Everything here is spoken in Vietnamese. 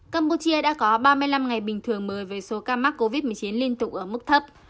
campuchia đã có ba mươi năm ngày bình thường mới về số ca mắc covid một mươi chín liên tục ở mức thấp